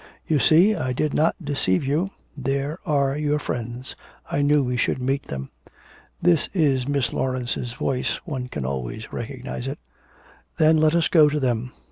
'You see I did not deceive you. There are your friends, I knew we should meet them. That is Miss Laurence's voice, one can always recognise it.' 'Then let us go to them.'